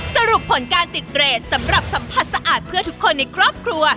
สรุปผลการติดเรทสำหรับสัมผัสสะอาดเพื่อทุกคนในครอบครัว